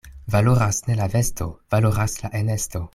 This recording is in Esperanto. Valoras ne la vesto, valoras la enesto.